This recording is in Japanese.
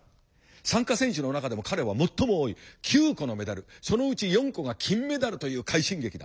参加選手の中でも彼は最も多い９個のメダルそのうち４個が金メダルという快進撃だ。